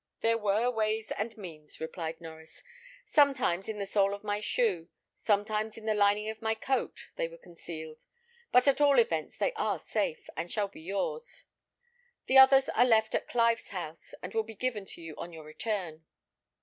"There were ways and means," replied Norries. "Sometimes in the sole of my shoe, sometimes in the lining of my coat, they were concealed, but at all events they are safe, and shall be yours. The others are left at Clive's house, and will be given to you on your return."